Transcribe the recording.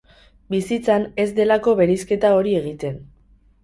Bizitzan ez delako bereizketa hori egiten.